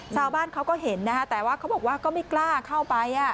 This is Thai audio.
ชาวบ้านเขาก็เห็นนะคะแต่ว่าเขาบอกว่าก็ไม่กล้าเข้าไป